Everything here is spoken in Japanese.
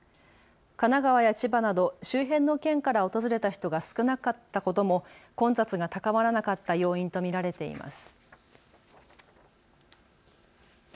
神奈川や千葉など周辺の県から訪れた人が少なかったことも混雑が高まらなかった要因と見られています。